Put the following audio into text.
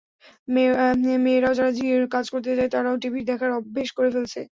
মেয়েরাও, যারা ঝিয়ের কাজ করতে যায়, তারাও টিভি দেখার অভ্যেস করে ফেলেছে।